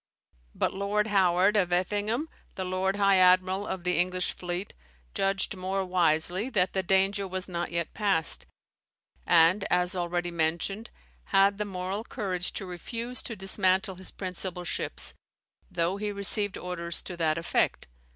But Lord Howard of Effingham, the lord high admiral of the English fleet, judged more wisely that the danger was not yet passed, and, as already mentioned, had the moral courage to refuse to dismantle his principal ships, though he received orders to that effect.